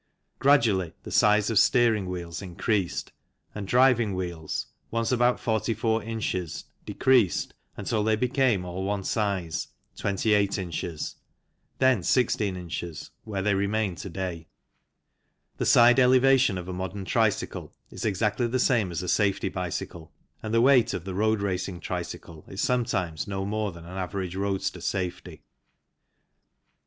Gradually the size of steering 22 THE CYCLE INDUSTRY wheels increased, and driving wheels, once about 44 ins., decreased till they became all one size, 28 ins., then 26 ins., where they remain to day. The side elevation of a modern tricycle is exactly the same as a safety bicycle, and the weight of the road racing tricycle is sometimes no more than an average roadster safety.